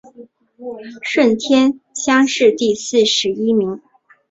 顺天乡试第四十一名。